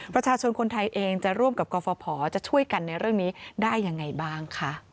ประชาชนคนไทยเองจะร่วมกับกรฟภจะช่วยกันในเรื่องนี้ได้ยังไงบ้างค่ะ